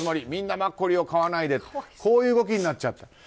みんなマッコリを買わないでとこういう動きになっちゃった。